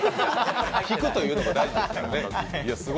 引くというのも大事ですからね。